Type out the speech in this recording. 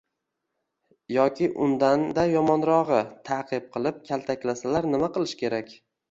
yoki undanda yomonrog‘i, ta’qib qilib, kaltaklasalar nima qilish kerak?